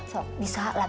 sok bisa lah